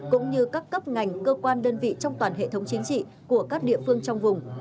cũng như các cấp ngành cơ quan đơn vị trong toàn hệ thống chính trị của các địa phương trong vùng